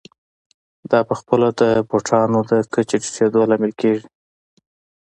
دا په خپله د بوټانو د کچې ټیټېدو لامل کېږي